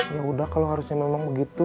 yaudah kalau harusnya memang begitu